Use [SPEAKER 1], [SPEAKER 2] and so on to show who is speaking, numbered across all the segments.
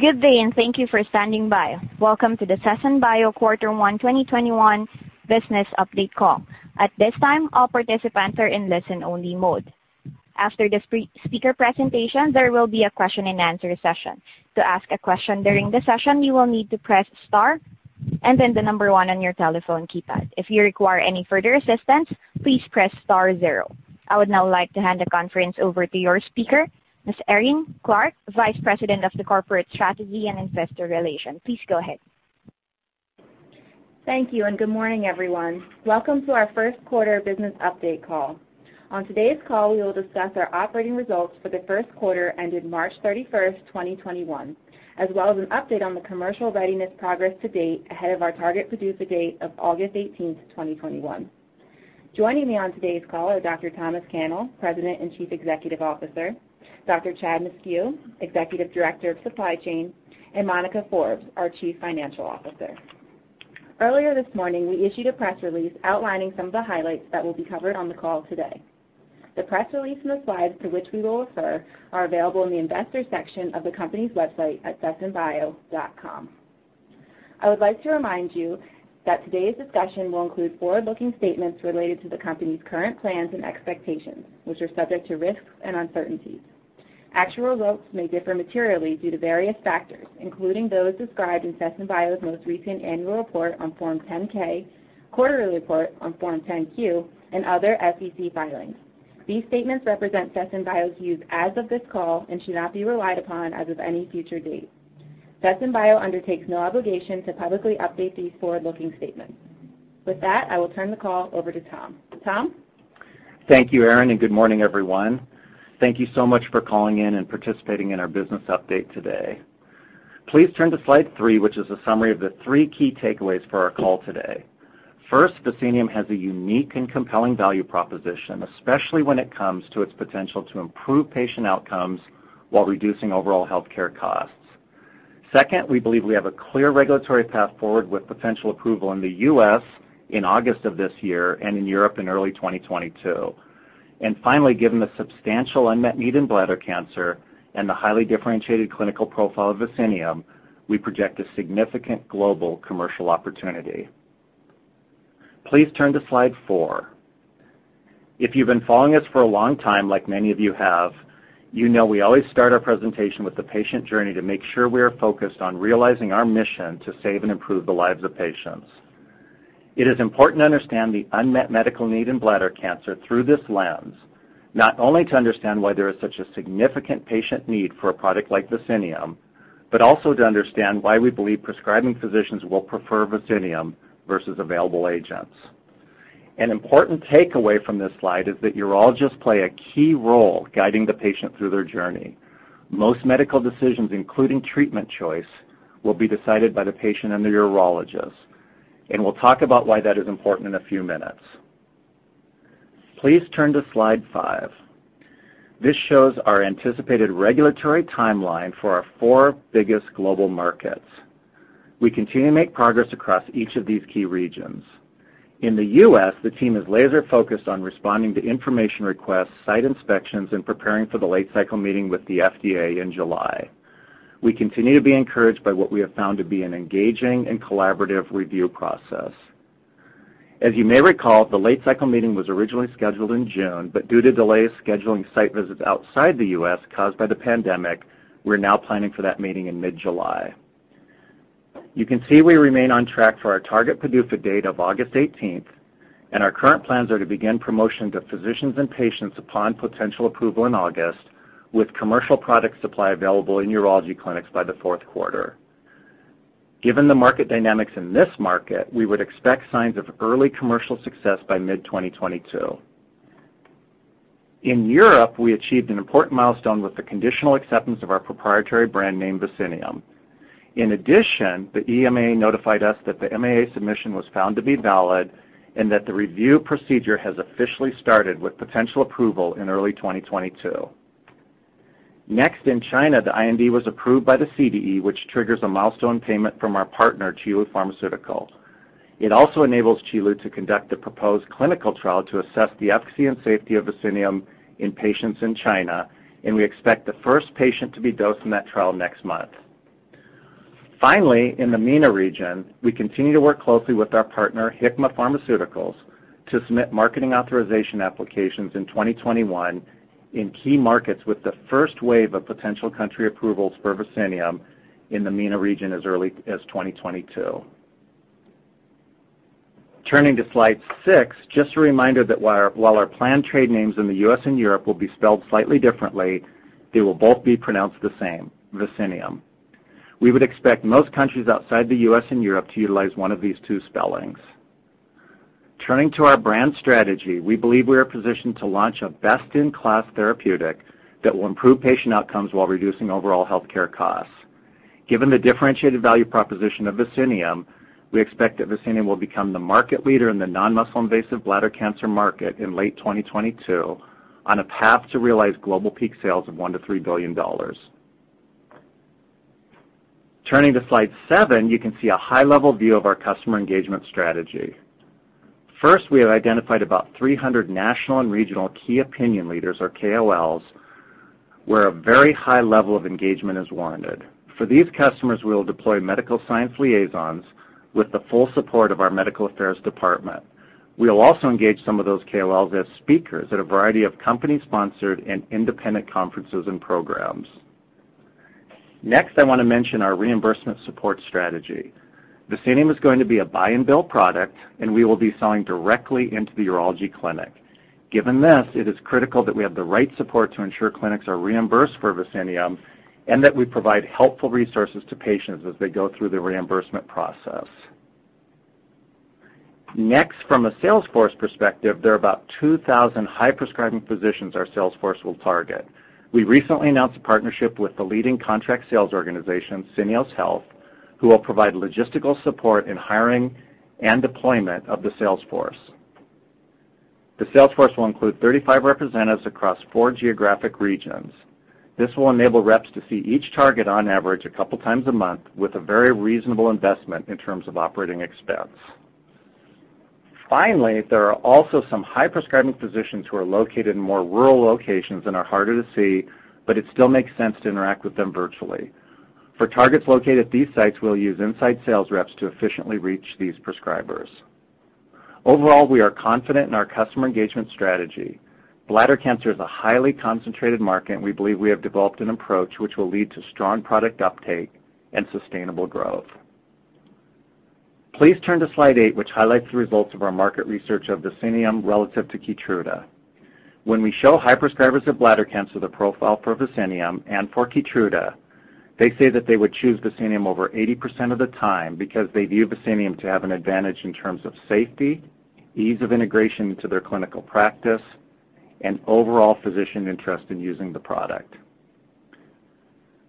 [SPEAKER 1] Good day, and thank you for standing by. Welcome to the Sesen Bio Quarter one 2021 Business Update Call. At this time, all participants are in listen only mode. After the speaker presentation, there will be a question and answer session. To ask a question during the session, you will need to press star and then the number one on your telephone keypad. If you require any further assistance, please press star zero. I would now like to hand the conference over to your speaker, Ms. Erin Clark, Vice President of Corporate Strategy and Investor Relations. Please go ahead.
[SPEAKER 2] Thank you. Good morning, everyone. Welcome to our first quarter business update call. On today's call, we will discuss our operating results for the first quarter ended March 31st, 2021, as well as an update on the commercial readiness progress to-date ahead of our target PDUFA date of August 18th, 2021. Joining me on today's call are Dr. Thomas Cannell, President and Chief Executive Officer, Dr. Chad Myskiw, Executive Director of Supply Chain, and Monica Forbes, our Chief Financial Officer. Earlier this morning, we issued a press release outlining some of the highlights that will be covered on the call today. The press release and the slides to which we will refer are available in the investors section of the company's website at sesenbio.com. I would like to remind you that today's discussion will include forward-looking statements related to the company's current plans and expectations, which are subject to risks and uncertainties. Actual results may differ materially due to various factors, including those described in Sesen Bio's most recent annual report on Form 10-K, quarterly report on Form 10-Q, and other SEC filings. These statements represent Sesen Bio's views as of this call and should not be relied upon as of any future date. Sesen Bio undertakes no obligation to publicly update these forward-looking statements. With that, I will turn the call over to Tom. Tom?
[SPEAKER 3] Thank you, Erin. Good morning, everyone. Thank you so much for calling in and participating in our business update today. Please turn to slide three, which is a summary of the three key takeaways for our call today. First, Vicinium has a unique and compelling value proposition, especially when it comes to its potential to improve patient outcomes while reducing overall healthcare costs. Second, we believe we have a clear regulatory path forward with potential approval in the U.S. in August of this year and in Europe in early 2022. Finally, given the substantial unmet need in bladder cancer and the highly differentiated clinical profile of Vicinium, we project a significant global commercial opportunity. Please turn to Slide 4. If you've been following us for a long time, like many of you have, you know we always start our presentation with the patient journey to make sure we are focused on realizing our mission to save and improve the lives of patients. It is important to understand the unmet medical need in bladder cancer through this lens, not only to understand why there is such a significant patient need for a product like Vicinium, but also to understand why we believe prescribing physicians will prefer Vicinium versus available agents. An important takeaway from this slide is that urologists play a key role guiding the patient through their journey. Most medical decisions, including treatment choice, will be decided by the patient and the urologist, and we'll talk about why that is important in a few minutes. Please turn to Slide 5. This shows our anticipated regulatory timeline for our four biggest global markets. We continue to make progress across each of these key regions. In the U.S., the team is laser focused on responding to information requests, site inspections, and preparing for the late-cycle meeting with the FDA in July. We continue to be encouraged by what we have found to be an engaging and collaborative review process. As you may recall, the late-cycle meeting was originally scheduled in June, but due to delays scheduling site visits outside the U.S. caused by the pandemic, we're now planning for that meeting in mid-July. You can see we remain on track for our target PDUFA date of August 18th, and our current plans are to begin promotion to physicians and patients upon potential approval in August with commercial product supply available in urology clinics by the fourth quarter. Given the market dynamics in this market, we would expect signs of early commercial success by mid 2022. In Europe, we achieved an important milestone with the conditional acceptance of our proprietary brand name, Vicinium. In addition, the EMA notified us that the MAA submission was found to be valid and that the review procedure has officially started with potential approval in early 2022. Next, in China, the IND was approved by the CDE, which triggers a milestone payment from our partner, Qilu Pharmaceutical. It also enables Qilu to conduct a proposed clinical trial to assess the efficacy and safety of Vicinium in patients in China, and we expect the first patient to be dosed in that trial next month. Finally, in the MENA region, we continue to work closely with our partner, Hikma Pharmaceuticals, to submit Marketing Authorization Applications in 2021 in key markets with the first wave of potential country approvals for Vicinium in the MENA region as early as 2022. Turning to Slide 6, just a reminder that while our planned trade names in the U.S. and Europe will be spelled slightly differently, they will both be pronounced the same, Vicinium. We would expect most countries outside the U.S. and Europe to utilize one of these two spellings. Turning to our brand strategy, we believe we are positioned to launch a best-in-class therapeutic that will improve patient outcomes while reducing overall healthcare costs. Given the differentiated value proposition of Vicinium, we expect that Vicinium will become the market leader in the non-muscle invasive bladder cancer market in late 2022 on a path to realize global peak sales of $1 billion-$3 billion. Turning to Slide 7, you can see a high-level view of our customer engagement strategy. We have identified about 300 national and regional key opinion leaders, or KOLs, where a very high level of engagement is warranted. For these customers, we'll deploy medical science liaisons with the full support of our medical affairs department. We'll also engage some of those KOLs as speakers at a variety of company-sponsored and independent conferences and programs. I want to mention our reimbursement support strategy. Vicinium is going to be a buy and bill product, and we will be selling directly into the urology clinic. Given this, it is critical that we have the right support to ensure clinics are reimbursed for Vicineum and that we provide helpful resources to patients as they go through the reimbursement process. From a sales force perspective, there are about 2,000 high-prescribing physicians our sales force will target. We recently announced a partnership with the leading contract sales organization, Syneos Health, who will provide logistical support in hiring and deployment of the sales force. The sales force will include 35 representatives across four geographic regions. This will enable reps to see each target on average a couple times a month with a very reasonable investment in terms of operating expense. Finally, there are also some high-prescribing physicians who are located in more rural locations and are harder to see, but it still makes sense to interact with them virtually. For targets located at these sites, we'll use inside sales reps to efficiently reach these prescribers. Overall, we are confident in our customer engagement strategy. Bladder cancer is a highly concentrated market, and we believe we have developed an approach which will lead to strong product uptake and sustainable growth. Please turn to Slide 8, which highlights the results of our market research of Vicineum relative to KEYTRUDA. When we show high prescribers of bladder cancer the profile for Vicineum and for KEYTRUDA, they say that they would choose Vicineum over 80% of the time because they view Vicineum to have an advantage in terms of safety, ease of integration into their clinical practice, and overall physician interest in using the product.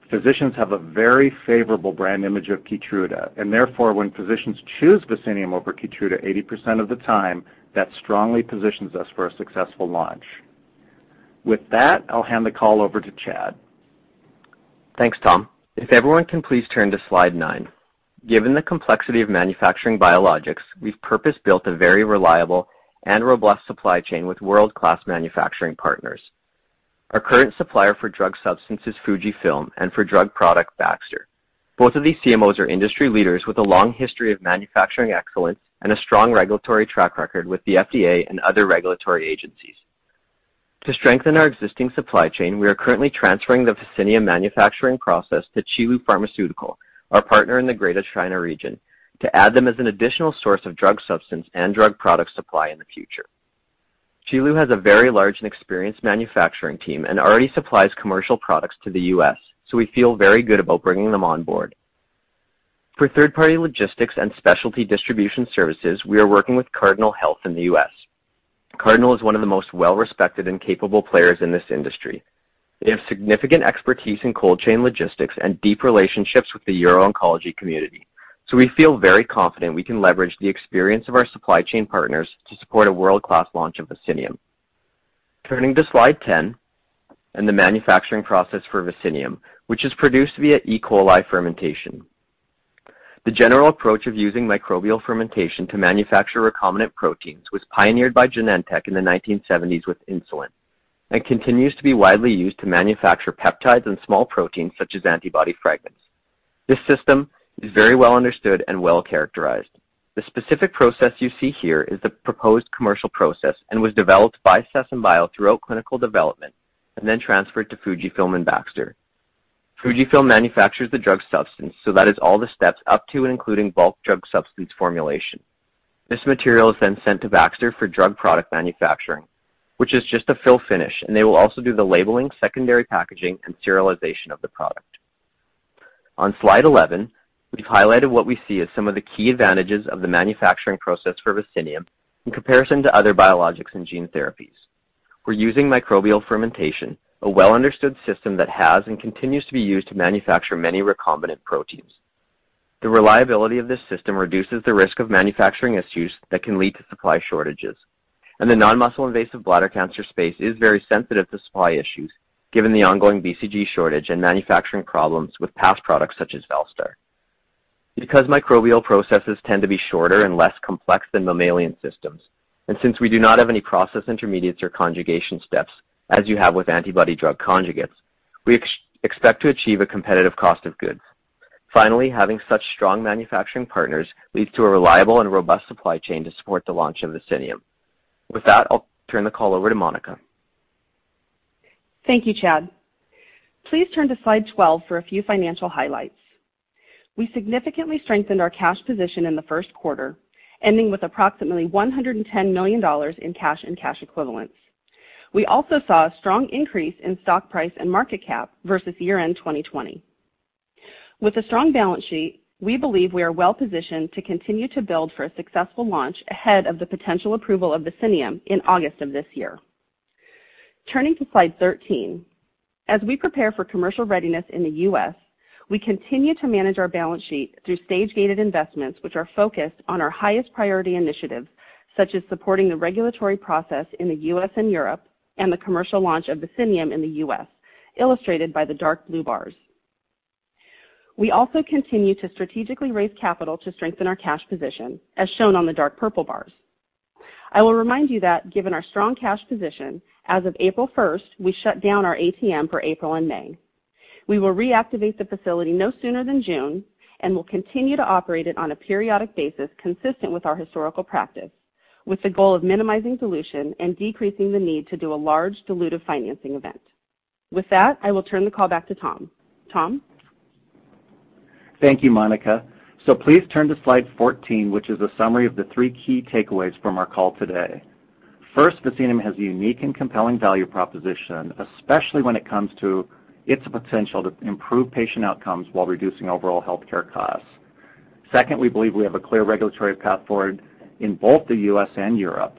[SPEAKER 3] Physicians have a very favorable brand image of KEYTRUDA, therefore, when physicians choose Vicinium over KEYTRUDA 80% of the time, that strongly positions us for a successful launch. With that, I'll hand the call over to Chad.
[SPEAKER 4] Thanks, Tom. If everyone can please turn to Slide 9. Given the complexity of manufacturing biologics, we've purpose-built a very reliable and robust supply chain with world-class manufacturing partners. Our current supplier for drug substance is Fujifilm, and for drug product, Baxter. Both of these CMOs are industry leaders with a long history of manufacturing excellence and a strong regulatory track record with the FDA and other regulatory agencies. To strengthen our existing supply chain, we are currently transferring the Vicineum manufacturing process to Qilu Pharmaceutical, our partner in the Greater China region, to add them as an additional source of drug substance and drug product supply in the future. Qilu has a very large and experienced manufacturing team and already supplies commercial products to the U.S. We feel very good about bringing them on board. For third-party logistics and specialty distribution services, we are working with Cardinal Health in the U.S. Cardinal is one of the most well-respected and capable players in this industry. They have significant expertise in cold chain logistics and deep relationships with the uro-oncology community. We feel very confident we can leverage the experience of our supply chain partners to support a world-class launch of Vicineum. Turning to Slide 10 and the manufacturing process for Vicineum, which is produced via E. coli fermentation. The general approach of using microbial fermentation to manufacture recombinant proteins was pioneered by Genentech in the 1970s with insulin and continues to be widely used to manufacture peptides and small proteins such as antibody fragments. This system is very well understood and well-characterized. The specific process you see here is the proposed commercial process and was developed by Sesen Bio throughout clinical development and then transferred to Fujifilm and Baxter. Fujifilm manufactures the drug substance, so that is all the steps up to and including bulk drug substance formulation. This material is then sent to Baxter for drug product manufacturing, which is just a fill finish, and they will also do the labeling, secondary packaging, and serialization of the product. On Slide 11, we've highlighted what we see as some of the key advantages of the manufacturing process for Vicineum in comparison to other biologics and gene therapies. We're using microbial fermentation, a well-understood system that has and continues to be used to manufacture many recombinant proteins. The reliability of this system reduces the risk of manufacturing issues that can lead to supply shortages, and the non-muscle invasive bladder cancer space is very sensitive to supply issues given the ongoing BCG shortage and manufacturing problems with past products such as Valstar. Because microbial processes tend to be shorter and less complex than mammalian systems, and since we do not have any process intermediates or conjugation steps as you have with antibody drug conjugates, we expect to achieve a competitive cost of goods. Finally, having such strong manufacturing partners leads to a reliable and robust supply chain to support the launch of Vicineum. With that, I'll turn the call over to Monica.
[SPEAKER 5] Thank you, Chad. Please turn to Slide 12 for a few financial highlights. We significantly strengthened our cash position in the first quarter, ending with approximately $110 million in cash and cash equivalents. We also saw a strong increase in stock price and market cap versus year-end 2020. With a strong balance sheet, we believe we are well-positioned to continue to build for a successful launch ahead of the potential approval of Vicineum in August of this year. Turning to Slide 13, as we prepare for commercial readiness in the U.S., we continue to manage our balance sheet through stage-gated investments, which are focused on our highest priority initiatives, such as supporting the regulatory process in the U.S. and Europe and the commercial launch of Vicineum in the U.S., illustrated by the dark blue bars We also continue to strategically raise capital to strengthen our cash position, as shown on the dark purple bars. I will remind you that given our strong cash position, as of April 1st, we shut down our ATM for April and May. We will reactivate the facility no sooner than June, and will continue to operate it on a periodic basis consistent with our historical practice, with the goal of minimizing dilution and decreasing the need to do a large dilutive financing event. With that, I will turn the call back to Tom. Tom?
[SPEAKER 3] Thank you, Monica. Please turn to Slide 14, which is a summary of the three key takeaways from our call today. First, Vicineum has a unique and compelling value proposition, especially when it comes to its potential to improve patient outcomes while reducing overall healthcare costs. Second, we believe we have a clear regulatory path forward in both the U.S. and Europe.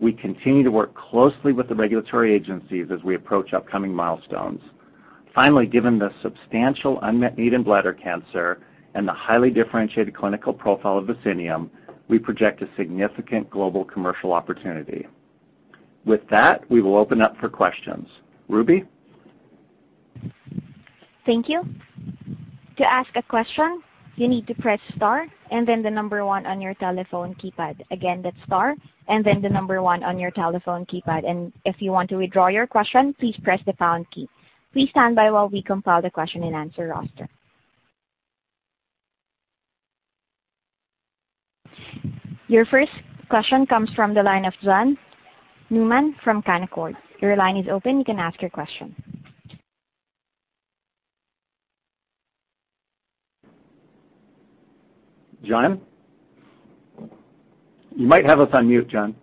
[SPEAKER 3] We continue to work closely with the regulatory agencies as we approach upcoming milestones. Finally, given the substantial unmet need in bladder cancer and the highly differentiated clinical profile of Vicineum, we project a significant global commercial opportunity. With that, we will open up for questions. Ruby?
[SPEAKER 1] Thank you. To ask a question you need to press star and then the number one on your telephone keypad. Again that's star and then the number one on you telephone keypad. If you want to withdraw your question please press the pound key. Please standby while we compile the question and answer roster. Your first question comes from the line of John Newman from Canaccord. Your line is open, you can ask your question.
[SPEAKER 3] John? You might have us on mute, John.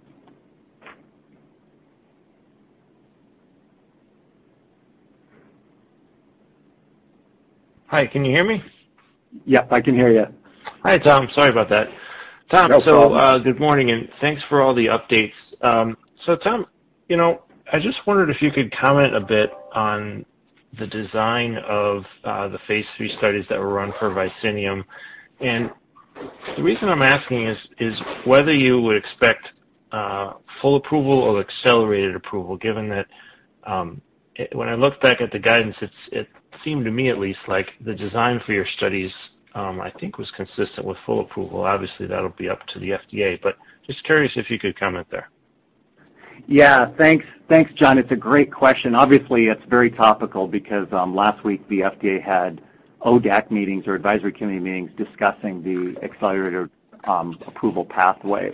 [SPEAKER 6] Hi, can you hear me?
[SPEAKER 3] Yep, I can hear you.
[SPEAKER 6] Hi, Tom. Sorry about that.
[SPEAKER 3] No problem.
[SPEAKER 6] Tom, good morning, and thanks for all the updates. Tom, I just wondered if you could comment a bit on the design of the phase III studies that were run for Vicineum. The reason I'm asking is whether you would expect full approval or accelerated approval, given that when I look back at the guidance, it seemed, to me at least, like the design for your studies, I think was consistent with full approval. Obviously, that'll be up to the FDA, but just curious if you could comment there.
[SPEAKER 3] Yeah. Thanks, John. It's a great question. Obviously, it's very topical because last week the FDA had ODAC meetings or advisory committee meetings discussing the accelerated approval pathway.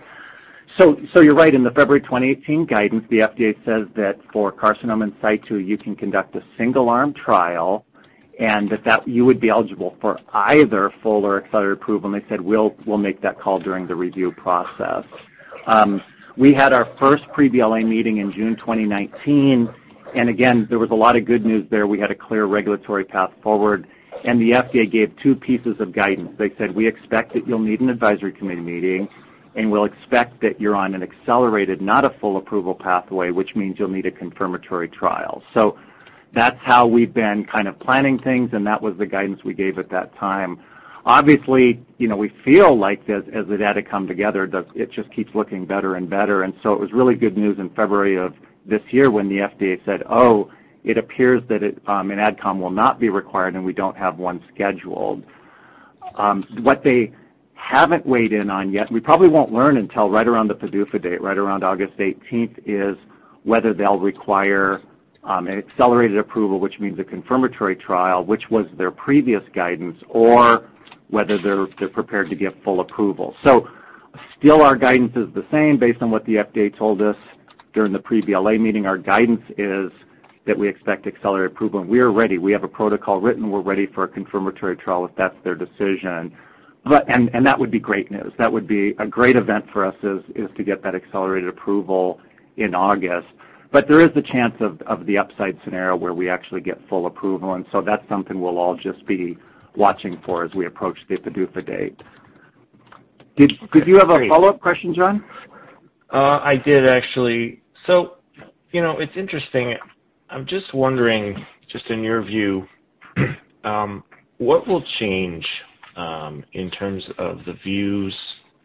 [SPEAKER 3] You're right. In the February 2018 guidance, the FDA says that for carcinoma in situ, you can conduct a single-arm trial, and that you would be eligible for either full or accelerated approval, and they said, we'll make that call during the review process. We had our first pre-BLA meeting in June 2019, and again, there was a lot of good news there. The FDA gave two pieces of guidance. They said, we expect that you'll need an advisory committee meeting, and we'll expect that you're on an accelerated, not a full approval pathway, which means you'll need a confirmatory trial. That's how we've been kind of planning things, and that was the guidance we gave at that time. Obviously, we feel like as the data come together, it just keeps looking better and better. It was really good news in February of this year when the FDA said, oh, it appears that an AdCom will not be required, and we don't have one scheduled. What they haven't weighed in on yet, and we probably won't learn until right around the PDUFA date, right around August 18th, is whether they'll require an accelerated approval, which means a confirmatory trial, which was their previous guidance, or whether they're prepared to give full approval. Still our guidance is the same based on what the FDA told us during the pre-BLA meeting. Our guidance is that we expect accelerated approval, and we are ready. We have a protocol written. We're ready for a confirmatory trial if that's their decision. That would be great news. That would be a great event for us is to get that accelerated approval in August. There is the chance of the upside scenario where we actually get full approval, and so that's something we'll all just be watching for as we approach the PDUFA date. Did you have a follow-up question, John?
[SPEAKER 6] I did, actually. It's interesting. I'm just wondering, just in your view, what will change in terms of the views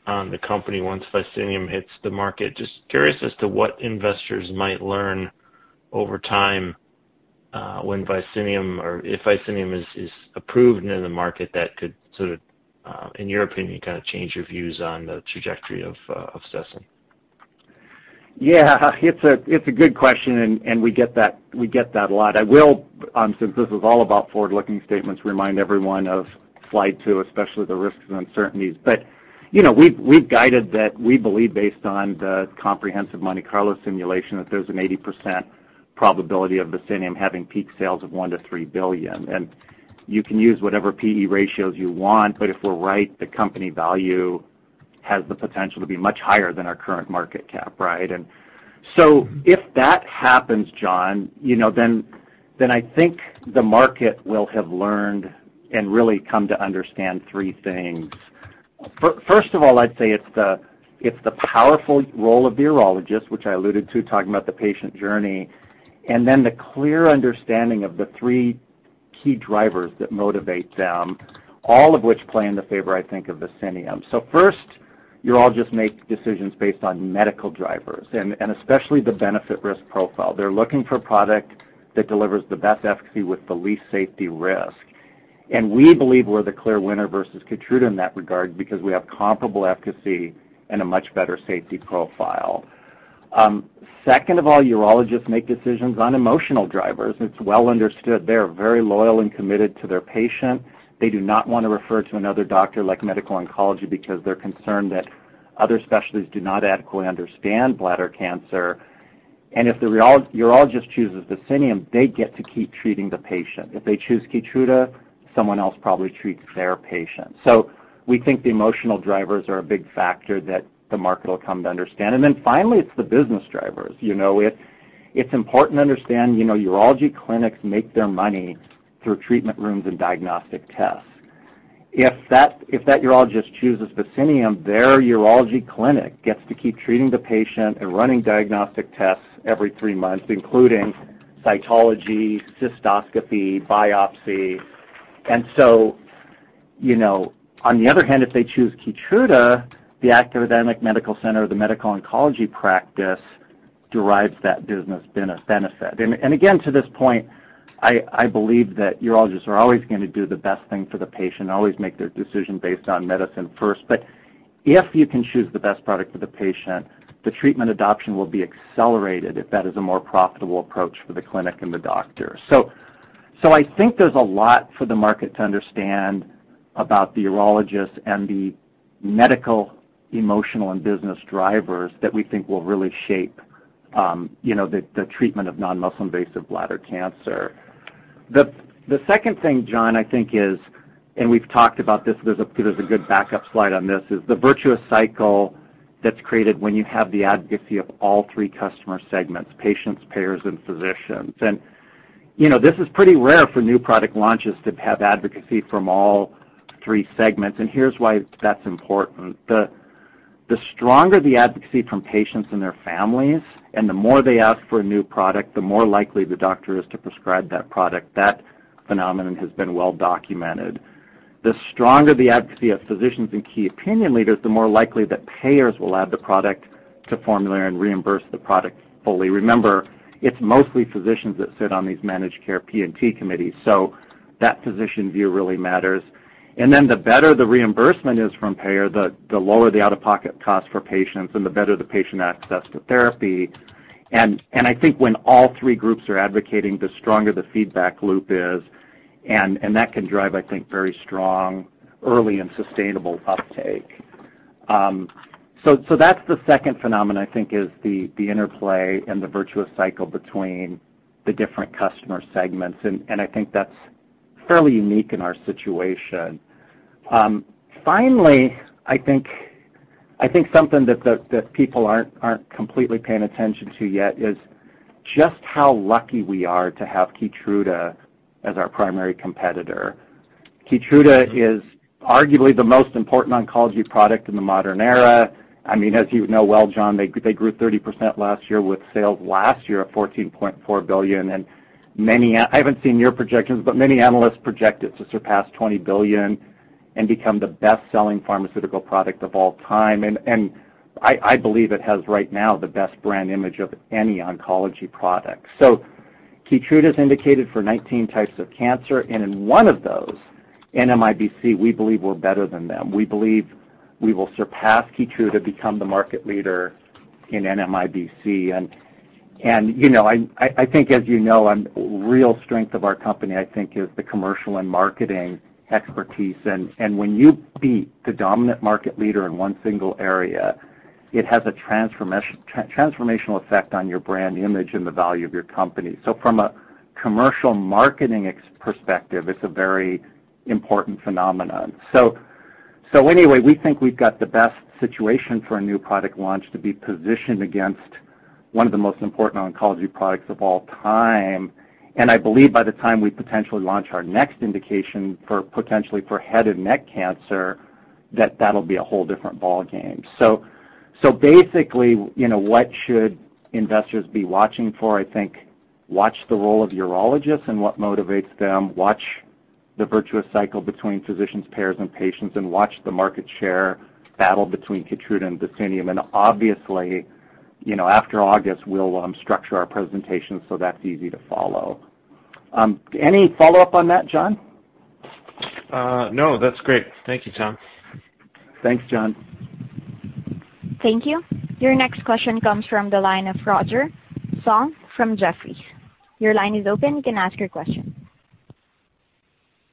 [SPEAKER 6] on the company once Vicineum hits the market? Just curious as to what investors might learn over time when Vicineum, or if Vicineum is approved and in the market that could sort of, in your opinion, kind of change your views on the trajectory of Sesen.
[SPEAKER 3] Yeah. It's a good question, and we get that a lot. I will, since this is all about forward-looking statements, remind everyone of Slide 2, especially the risks and uncertainties. We've guided that we believe based on the comprehensive Monte Carlo simulation, that there's an 80% probability of Vicineum having peak sales of $1 billion-$3 billion. You can use whatever PE ratios you want, but if we're right, the company value has the potential to be much higher than our current market cap, right? If that happens, John, then I think the market will have learned and really come to understand three things. First of all, I'd say it's the powerful role of the urologist, which I alluded to talking about the patient journey, and then the clear understanding of the three key drivers that motivate them, all of which play in the favor, I think, of Vicineum. First, urologists make decisions based on medical drivers, especially the benefit-risk profile. They're looking for a product that delivers the best efficacy with the least safety risk. We believe we're the clear winner versus KEYTRUDA in that regard because we have comparable efficacy and a much better safety profile. Second of all, urologists make decisions on emotional drivers. It's well understood. They are very loyal and committed to their patient. They do not want to refer to another doctor like medical oncology because they're concerned that other specialties do not adequately understand bladder cancer. If the urologist chooses docetaxel, they get to keep treating the patient. If they choose KEYTRUDA, someone else probably treats their patient. We think the emotional drivers are a big factor that the market will come to understand. Finally, it's the business drivers. It's important to understand urology clinics make their money through treatment rooms and diagnostic tests. If that urologist chooses docetaxel, their urology clinic gets to keep treating the patient and running diagnostic tests every three months, including cytology, cystoscopy, biopsy. On the other hand, if they choose KEYTRUDA, the academic medical center or the medical oncology practice derives that business benefit. Again, to this point, I believe that urologists are always going to do the best thing for the patient and always make their decision based on medicine first. If you can choose the best product for the patient, the treatment adoption will be accelerated if that is a more profitable approach for the clinic and the doctor. I think there's a lot for the market to understand about the urologist and the medical, emotional, and business drivers that we think will really shape the treatment of non-muscle invasive bladder cancer. The second thing, John, I think is, and we've talked about this, there's a good backup slide on this, is the virtuous cycle that's created when you have the advocacy of all three customer segments, patients, payers, and physicians, and this is pretty rare for new product launches to have advocacy from all three segments, and here's why that's important. The stronger the advocacy from patients and their families, and the more they ask for a new product, the more likely the doctor is to prescribe that product. That phenomenon has been well documented. The stronger the advocacy of physicians and key opinion leaders, the more likely that payers will add the product to formulary and reimburse the product fully. Remember, it's mostly physicians that sit on these managed care P&T committees, that physician view really matters. The better the reimbursement is from payer, the lower the out-of-pocket cost for patients and the better the patient access to therapy. I think when all three groups are advocating, the stronger the feedback loop is, and that can drive, I think, very strong early and sustainable uptake. That's the second phenomenon, I think, is the interplay and the virtuous cycle between the different customer segments, and I think that's fairly unique in our situation. Finally, I think something that people aren't completely paying attention to yet is just how lucky we are to have KEYTRUDA as our primary competitor. KEYTRUDA is arguably the most important oncology product in the modern era. As you know well, John, they grew 30% last year with sales last year of $14.4 billion. I haven't seen your projections, but many analysts project it to surpass $20 billion and become the best-selling pharmaceutical product of all time. I believe it has right now the best brand image of any oncology product. KEYTRUDA's indicated for 19 types of cancer, and in one of those, NMIBC, we believe we're better than them. We believe we will surpass KEYTRUDA, become the market leader in NMIBC. I think as you know, real strength of our company, I think is the commercial and marketing expertise. When you beat the dominant market leader in one single area, it has a transformational effect on your brand image and the value of your company. From a commercial marketing perspective, it's a very important phenomenon. Anyway, we think we've got the best situation for a new product launch to be positioned against one of the most important oncology products of all time. I believe by the time we potentially launch our next indication potentially for head and neck cancer, that that'll be a whole different ballgame. Basically, what should investors be watching for? I think watch the role of urologists and what motivates them, watch the virtuous cycle between physicians, payers, and patients, and watch the market share battle between KEYTRUDA and docetaxel. Obviously, after August, we'll structure our presentation so that's easy to follow. Any follow-up on that, John?
[SPEAKER 6] No, that's great. Thank you, Tom.
[SPEAKER 3] Thanks, John.
[SPEAKER 1] Thank you. Your next question comes from the line of Roger Song from Jefferies. Your line is open. You can ask your question.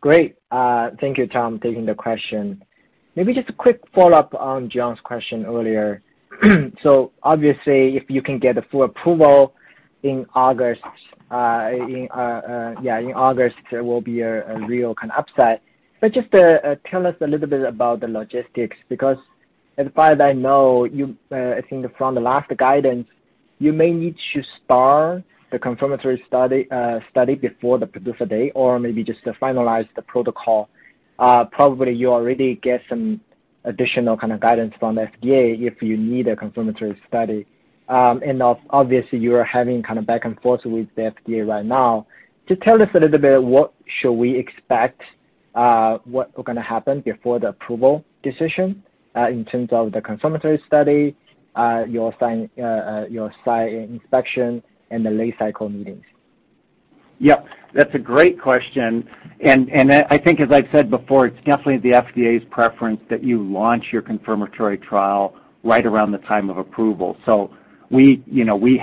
[SPEAKER 7] Great. Thank you, Tom, taking the question. Maybe just a quick follow up on John's question earlier. Obviously, if you can get a full approval in August, there will be a real kind of upside. Just tell us a little bit about the logistics, because as far as I know, I think from the last guidance, you may need to start the confirmatory study before the PDUFA date or maybe just to finalize the protocol. Probably you already get some additional kind of guidance from FDA if you need a confirmatory study. Obviously, you are having back and forth with the FDA right now. Just tell us a little bit, what should we expect? What is going to happen before the approval decision in terms of the confirmatory study, your site inspection, and the late-cycle meetings?
[SPEAKER 3] Yeah, that's a great question. I think, as I've said before, it's definitely the FDA's preference that you launch your confirmatory trial right around the time of approval. We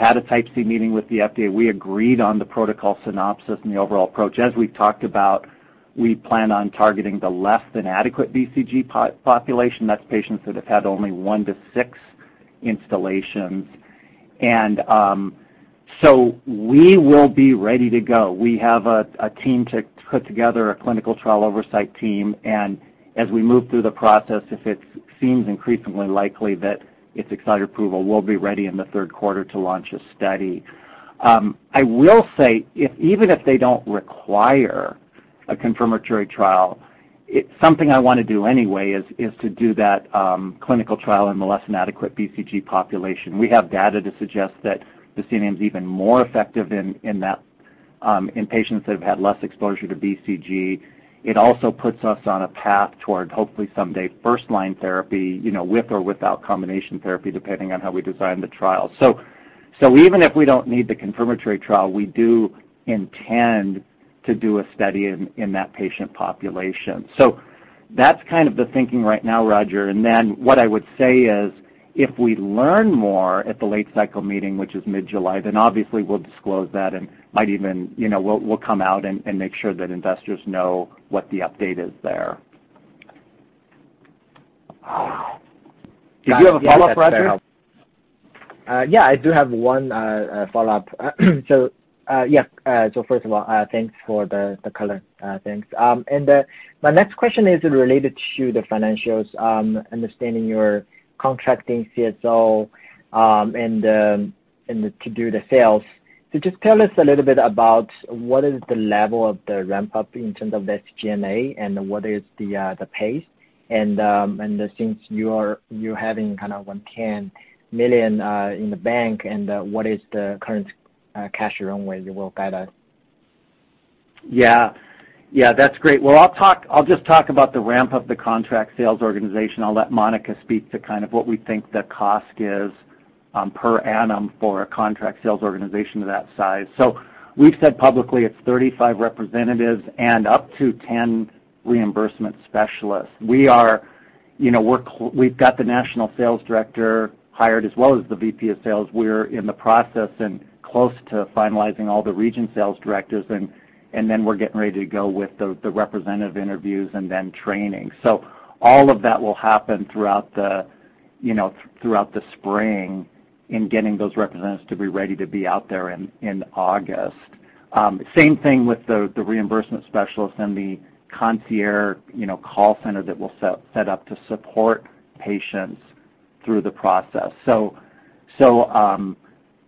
[SPEAKER 3] had a Type C meeting with the FDA. We agreed on the protocol synopsis and the overall approach. As we've talked about, we plan on targeting the less than adequate BCG population. That's patients that have had only one to six instillations. We will be ready to go. We have a team to put together, a clinical trial oversight team, and as we move through the process, if it seems increasingly likely that it's accelerated approval we'll be ready in the third quarter to launch a study. I will say, even if they don't require a confirmatory trial, it's something I want to do anyway, is to do that clinical trial in the less than adequate BCG population. We have data to suggest that the Vicineum is even more effective in patients that have had less exposure to BCG. It also puts us on a path toward hopefully someday first-line therapy, with or without combination therapy, depending on how we design the trial. Even if we don't need the confirmatory trial, we do intend to do a study in that patient population. That's the thinking right now, Roger. What I would say is, if we learn more at the late-cycle meeting, which is mid-July, then obviously we'll disclose that and we'll come out and make sure that investors know what the update is there. Do you have a follow-up, Roger?
[SPEAKER 7] Yeah, I do have one follow-up. First of all, thanks for the color. Thanks. My next question is related to the financials, understanding your contracting CSO to do the sales. Just tell us a little bit about what is the level of the ramp-up in terms of the SG&A, and what is the pace, and since you're having $110 million in the bank, and what is the current cash runway you will guide us?
[SPEAKER 3] Yeah. That's great. Well, I'll just talk about the ramp of the contract sales organization. I'll let Monica speak to what we think the cost is per annum for a contract sales organization of that size. We've said publicly it's 35 representatives and up to 10 reimbursement specialists. We've got the national sales director hired as well as the VP of sales. We're in the process and close to finalizing all the region sales directors, and then we're getting ready to go with the representative interviews and then training. All of that will happen throughout the spring in getting those representatives to be ready to be out there in August. Same thing with the reimbursement specialists and the concierge call center that we'll set up to support patients through the process.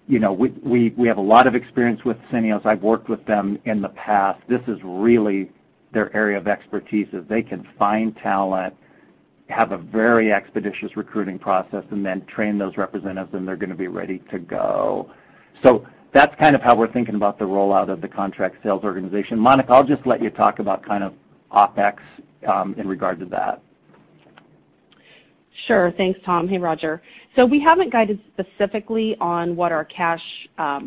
[SPEAKER 3] We have a lot of experience with Syneos. I've worked with them in the past. This is really their area of expertise, is they can find talent, have a very expeditious recruiting process, and then train those representatives, and they're going to be ready to go. That's how we're thinking about the rollout of the contract sales organization. Monica, I'll just let you talk about OpEx in regard to that.
[SPEAKER 5] Sure. Thanks, Tom. Hey, Roger. We haven't guided specifically on what our cash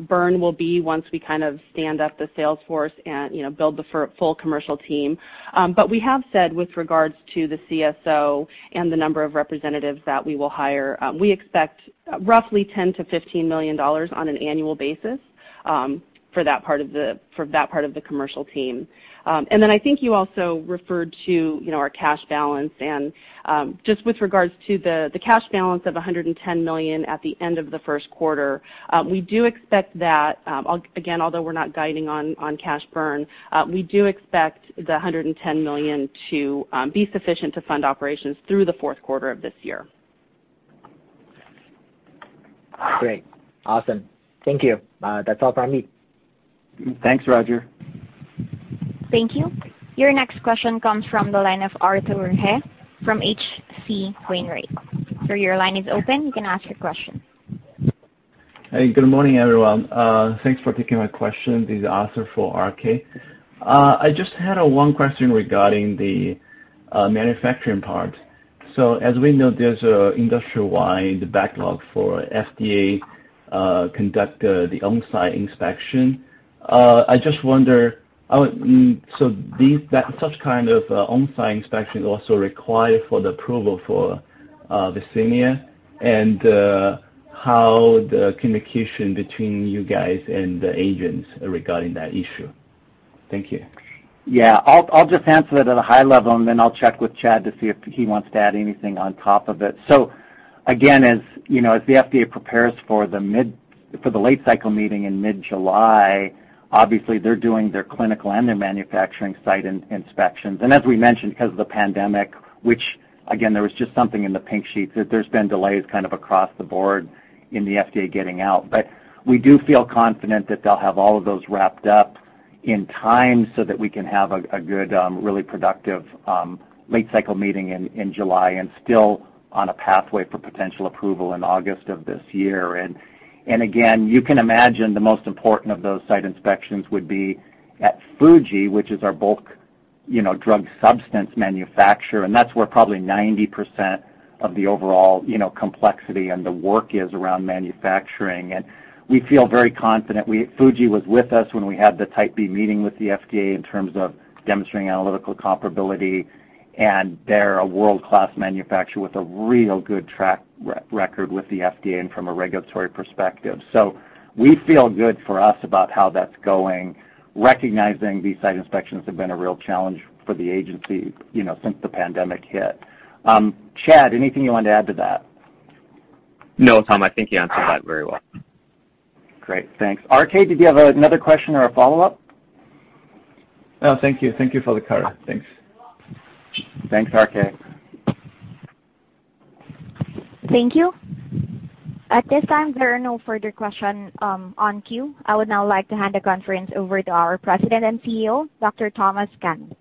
[SPEAKER 5] burn will be once we stand up the sales force and build the full commercial team. We have said with regards to the CSO and the number of representatives that we will hire, we expect roughly $10 million-$15 million on an annual basis for that part of the commercial team. I think you also referred to our cash balance, and just with regards to the cash balance of $110 million at the end of the first quarter, we do expect that, again although we're not guiding on cash burn, we do expect the $110 million to be sufficient to fund operations through the fourth quarter of this year.
[SPEAKER 7] Great. Awesome. Thank you. That's all from me.
[SPEAKER 3] Thanks, Roger.
[SPEAKER 1] Thank you. Your next question comes from the line of Arthur He from H.C. Wainwright. Sir, your line is open. You can ask your question.
[SPEAKER 8] Hey, good morning, everyone. Thanks for taking my question. This is Arthur for RK. I just had one question regarding the manufacturing part. As we know, there's an industry-wide backlog for FDA conduct the on-site inspection. I just wonder, such kind of on-site inspection also required for the approval for Vicineum, and how the communication between you guys and the agents regarding that issue? Thank you.
[SPEAKER 3] Yeah. I'll just answer it at a high level, and then I'll check with Chad to see if he wants to add anything on top of it. Again, as the FDA prepares for the late cycle meeting in mid-July, obviously they're doing their clinical and their manufacturing site inspections. As we mentioned, because of the pandemic, which again, there was just something in the Pink Sheets that there's been delays across the board in the FDA getting out. We do feel confident that they'll have all of those wrapped up in time so that we can have a good, really productive late cycle meeting in July and still on a pathway for potential approval in August of this year. Again, you can imagine the most important of those site inspections would be at Fujifilm, which is our bulk drug substance manufacturer, that's where probably 90% of the overall complexity and the work is around manufacturing. We feel very confident. Fujifilm was with us when we had the Type B meeting with the FDA in terms of demonstrating analytical comparability, and they're a world-class manufacturer with a real good track record with the FDA and from a regulatory perspective. We feel good for us about how that's going, recognizing these site inspections have been a real challenge for the agency since the pandemic hit. Chad, anything you wanted to add to that?
[SPEAKER 4] No, Tom, I think you answered that very well.
[SPEAKER 3] Great. Thanks. RK, did you have another question or a follow-up?
[SPEAKER 8] No, thank you. Thank you for the color. Thanks.
[SPEAKER 3] Thanks, RK.
[SPEAKER 1] Thank you. At this time, there are no further questions on queue. I would now like to hand the conference over to our President and CEO, Dr. Thomas Cannell.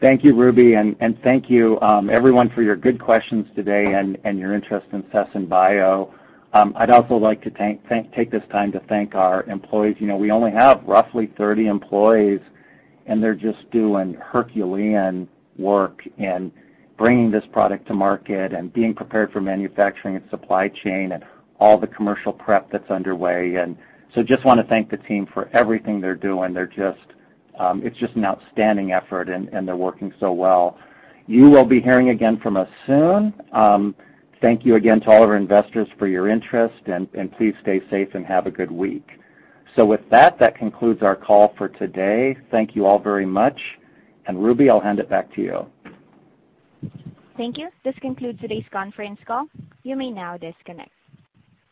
[SPEAKER 3] Thank you, Ruby, thank you everyone for your good questions today and your interest in Sesen Bio. I'd also like to take this time to thank our employees. We only have roughly 30 employees, and they're just doing Herculean work in bringing this product to market and being prepared for manufacturing and supply chain and all the commercial prep that's underway. Just want to thank the team for everything they're doing. It's just an outstanding effort, and they're working so well. You will be hearing again from us soon. Thank you again to all of our investors for your interest, and please stay safe and have a good week. With that concludes our call for today. Thank you all very much. Ruby, I'll hand it back to you.
[SPEAKER 1] Thank you. This concludes today's conference call. You may now disconnect.